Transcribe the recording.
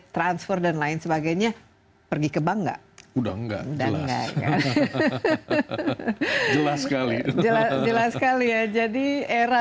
transfer dan lain sebagainya pergi ke bank nggak udah enggak jelas sekali jelas sekali ya jadi era